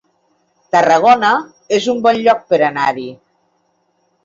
Tarragona es un bon lloc per anar-hi